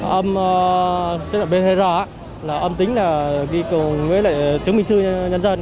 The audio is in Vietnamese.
âm chứ là pcr là âm tính là ghi cùng với lại chứng minh thư nhân dân